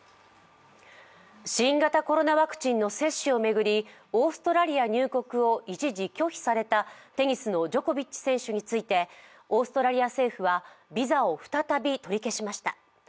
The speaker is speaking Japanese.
新型コロナワクチンの接種を巡りオーストラリア入国を一時拒否されたテニスのジョコビッチ選手について、オーストラリア政府はビザを再び取り消しました。